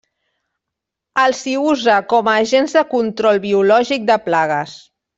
Els hi usa com a agents de control biològic de plagues.